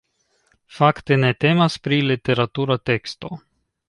Fakte ne temas pri literatura teksto.